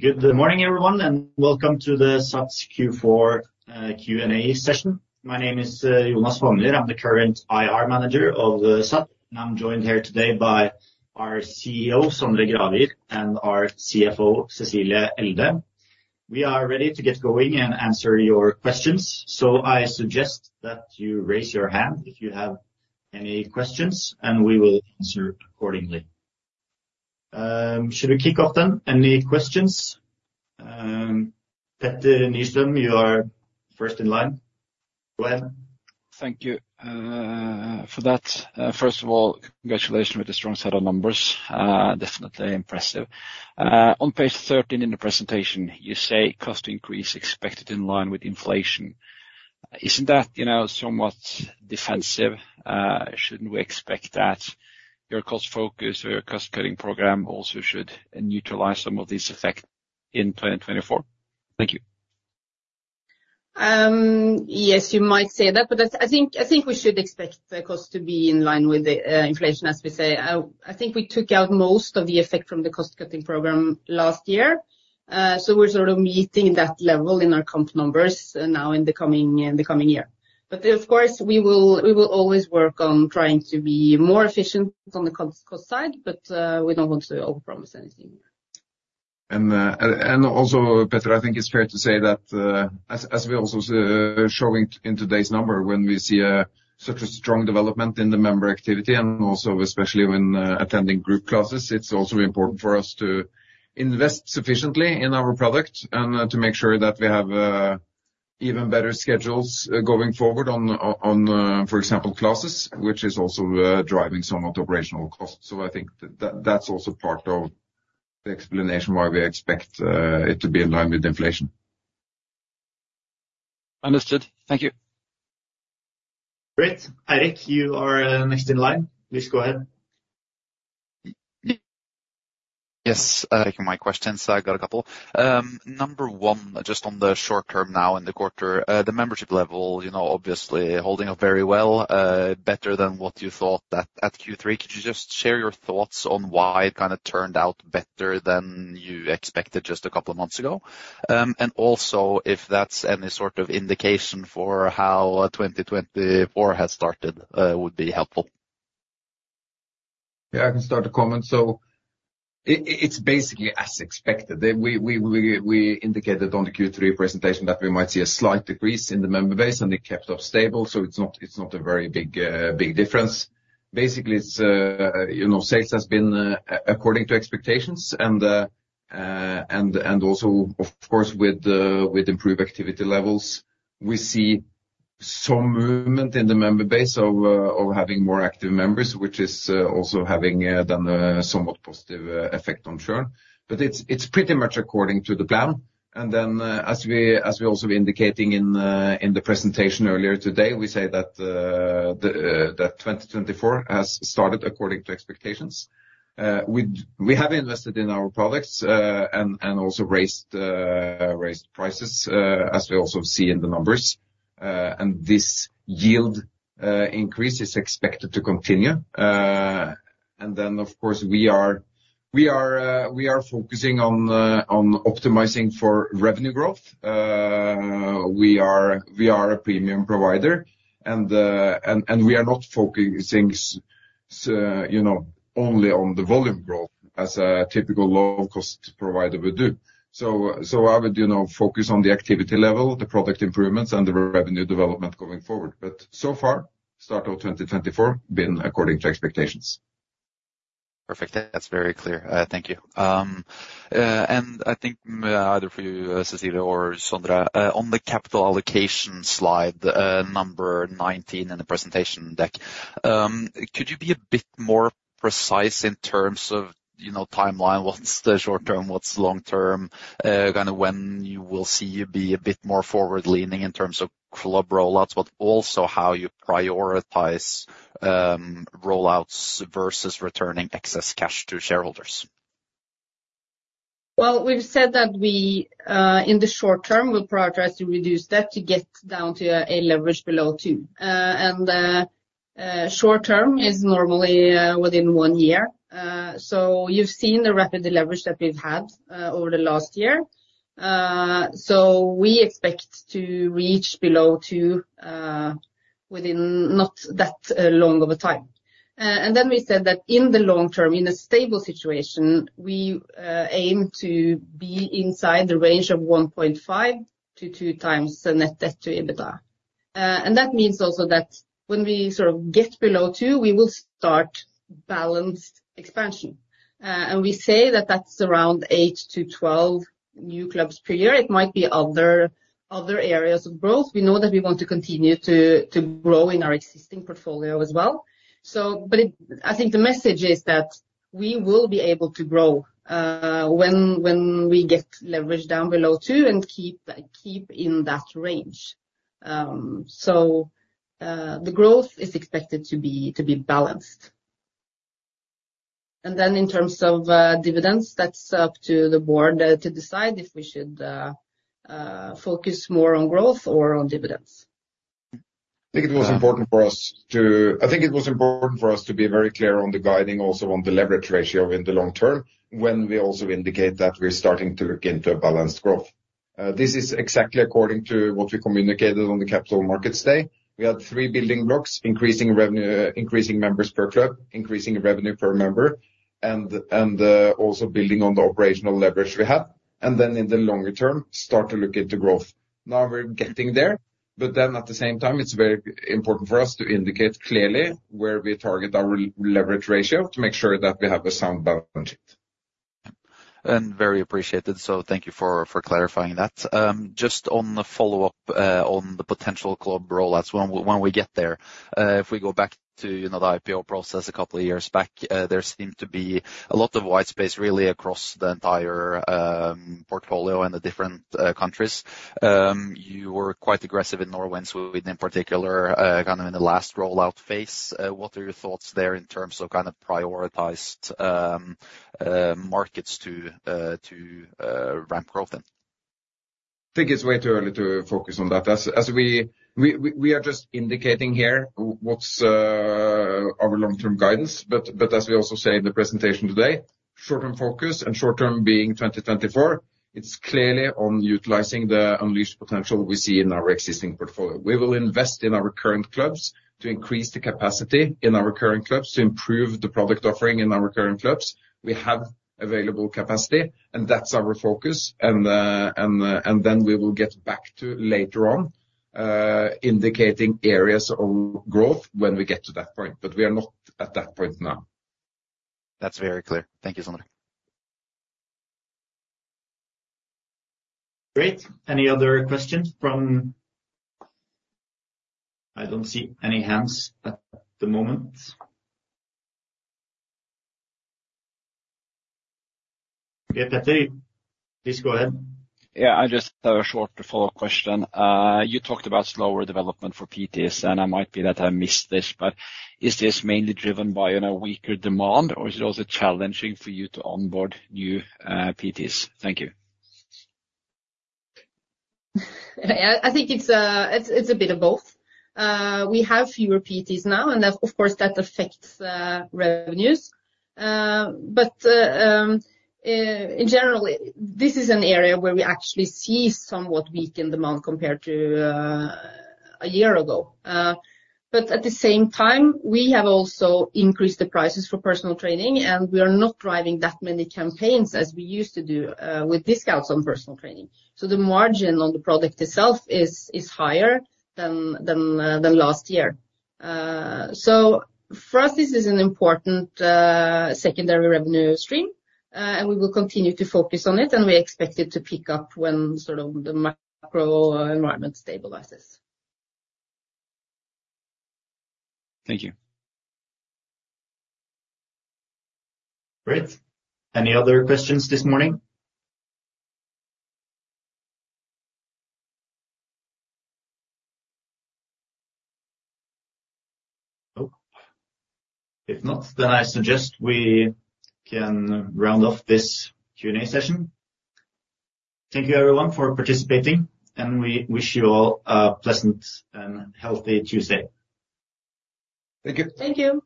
Good morning, everyone, and welcome to the SATS Q4, Q&A session. My name is Jonas Fougner. I'm the current IR manager of SATS, and I'm joined here today by our CEO, Sondre Gravir, and our CFO, Cecilie Elde. We are ready to get going and answer your questions, so I suggest that you raise your hand if you have any questions, and we will answer accordingly. Should we kick off then? Any questions? Petter Nystrøm, you are first in line. Go ahead. Thank you for that. First of all, congratulations with the strong set of numbers. Definitely impressive. On page 13 in the presentation, you say, "Cost increase expected in line with inflation." Isn't that, you know, somewhat defensive? Shouldn't we expect that? Your cost focus or your cost-cutting program also should neutralize some of these effects in 2024. Thank you. Yes, you might say that, but that's, I think, we should expect the cost to be in line with the inflation, as we say. I think we took out most of the effect from the cost-cutting program last year, so we're sort of meeting that level in our comp numbers, now in the coming year. But, of course, we will always work on trying to be more efficient on the cost side, but we don't want to overpromise anything here. Also, Petter, I think it's fair to say that, as we are also showing it in today's numbers, when we see such a strong development in the member activity and also especially when attending group classes, it's also important for us to invest sufficiently in our product and to make sure that we have even better schedules going forward on, for example, classes, which is also driving somewhat operational costs. So I think that's also part of the explanation why we expect it to be in line with inflation. Understood. Thank you. Great. Eirik, you are, next in line. Please go ahead. Yes, taking my questions. I got a couple. Number 1, just on the short term now in the quarter, the membership level, you know, obviously holding up very well, better than what you thought at, at Q3. Could you just share your thoughts on why it kind of turned out better than you expected just a couple of months ago? And also if that's any sort of indication for how 2024 has started, would be helpful. Yeah, I can start to comment. So it's basically as expected. We indicated on the Q3 presentation that we might see a slight decrease in the member base, and it kept stable, so it's not a very big difference. Basically, it's, you know, sales has been according to expectations, and also, of course, with improved activity levels, we see some movement in the member base of having more active members, which is also having a somewhat positive effect on churn. But it's pretty much according to the plan. And then, as we also indicating in the presentation earlier today, we say that 2024 has started according to expectations. We have invested in our products, and also raised prices, as we also see in the numbers. And this yield increase is expected to continue. And then, of course, we are focusing on optimizing for revenue growth. We are a premium provider, and we are not focusing, you know, only on the volume growth as a typical low-cost provider would do. So I would, you know, focus on the activity level, the product improvements, and the revenue development going forward. But so far, start of 2024, been according to expectations. Perfect. That's very clear. Thank you. I think, either for you, Cecilie or Sondre, on the capital allocation slide, number 19 in the presentation deck, could you be a bit more precise in terms of, you know, timeline? What's the short term? What's long term? Kind of when you will see you be a bit more forward-leaning in terms of club rollouts, but also how you prioritize, rollouts versus returning excess cash to shareholders? Well, we've said that we, in the short term, will prioritize to reduce that to get down to a leverage below 2. Short term is normally within 1 year. So you've seen the rapid leverage that we've had over the last year. So we expect to reach below 2 within not that long of a time. And then we said that in the long term, in a stable situation, we aim to be inside the range of 1.5-2 times the net debt to EBITDA. And that means also that when we sort of get below 2, we will start balanced expansion. And we say that that's around 8-12 new clubs per year. It might be other, other areas of growth. We know that we want to continue to grow in our existing portfolio as well. But I think the message is that we will be able to grow when we get leverage down below 2 and keep that in that range. So the growth is expected to be balanced. Then in terms of dividends, that's up to the board to decide if we should focus more on growth or on dividends. I think it was important for us to be very clear on the guiding also on the leverage ratio in the long term when we also indicate that we're starting to look into a balanced growth. This is exactly according to what we communicated on the Capital Markets Day. We had three building blocks: increasing revenue, increasing members per club, increasing revenue per member, and also building on the operational leverage we have. And then in the longer term, start to look into growth. Now we're getting there, but then at the same time, it's very important for us to indicate clearly where we target our leverage ratio to make sure that we have a sound balance sheet. Yeah. And very appreciated. So thank you for clarifying that. Just on the follow-up, on the potential club rollouts when we get there, if we go back to, you know, the IPO process a couple of years back, there seemed to be a lot of white space really across the entire portfolio and the different countries. You were quite aggressive in Norway and Sweden in particular, kind of in the last rollout phase. What are your thoughts there in terms of kind of prioritized markets to ramp growth in? I think it's way too early to focus on that. As we are just indicating here what's our long-term guidance. But as we also say in the presentation today, short-term focus and short term being 2024, it's clearly on utilizing the unleashed potential we see in our existing portfolio. We will invest in our current clubs to increase the capacity in our current clubs, to improve the product offering in our current clubs. We have available capacity, and that's our focus. And then we will get back to later on, indicating areas of growth when we get to that point. But we are not at that point now. That's very clear. Thank you, Sondre. Great. Any other questions? I don't see any hands at the moment. Okay, Petter, please go ahead. Yeah, I just have a short follow-up question. You talked about slower development for PTs, and I might be that I missed this, but is this mainly driven by, you know, weaker demand, or is it also challenging for you to onboard new PTs? Thank you. Yeah, I think it's a bit of both. We have fewer PTs now, and that, of course, affects revenues. But in general, this is an area where we actually see somewhat weakened demand compared to a year ago. But at the same time, we have also increased the prices for personal training, and we are not driving that many campaigns as we used to do, with discounts on personal training. So the margin on the product itself is higher than last year. So for us, this is an important secondary revenue stream, and we will continue to focus on it, and we expect it to pick up when sort of the macro environment stabilizes. Thank you. Great. Any other questions this morning? Oh. If not, then I suggest we can round off this Q&A session. Thank you, everyone, for participating, and we wish you all a pleasant and healthy Tuesday. Thank you. Thank you.